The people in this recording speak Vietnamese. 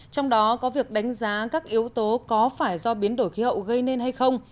trong đó có việc đánh giá các yếu tố có phải do biến đổi khí hậu gây nên hay không